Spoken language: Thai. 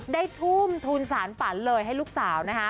ได้ทุ่มทูลสารฝ่านเลยให้ลูกสาวนะคะ